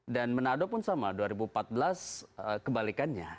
dan menado pun sama dua ribu empat belas kebalikannya